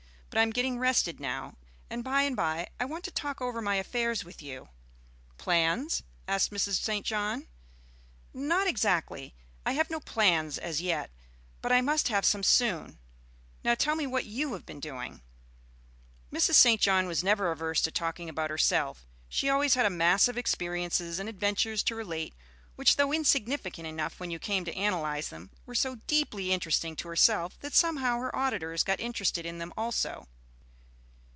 But I am getting rested now, and by and by I want to talk over my affairs with you." "Plans?" asked Mrs. St. John. "Not exactly. I have no plans as yet; but I must have some soon. Now tell me what you have been doing." Mrs. St. John was never averse to talking about herself. She always had a mass of experiences and adventures to relate, which though insignificant enough when you came to analyze them, were so deeply interesting to herself that somehow her auditors got interested in them also.